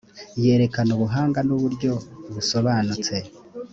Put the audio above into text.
yerekana ubuhanga n’uburyo busobanutse